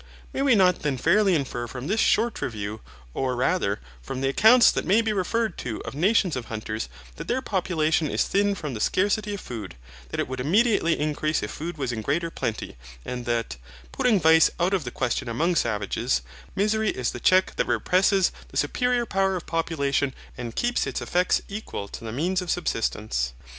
May we not then fairly infer from this short review, or rather, from the accounts that may be referred to of nations of hunters, that their population is thin from the scarcity of food, that it would immediately increase if food was in greater plenty, and that, putting vice out of the question among savages, misery is the check that represses the superior power of population and keeps its effects equal to the means of subsistence.